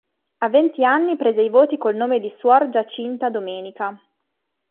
A venti anni prese i voti col nome di suor Giacinta Domenica.